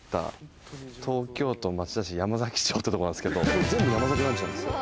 これ全部山崎団地なんですよ。